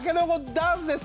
ダンスです。